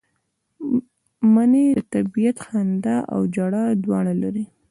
منی د طبیعت خندا او ژړا دواړه لري